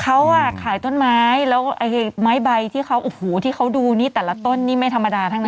เขาขายต้นไม้แล้วไม้ใบที่เขาดูนี่แต่ละต้นนี่ไม่ธรรมดาทั้งใน